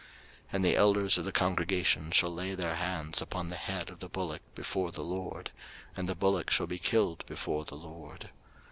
03:004:015 And the elders of the congregation shall lay their hands upon the head of the bullock before the LORD: and the bullock shall be killed before the LORD.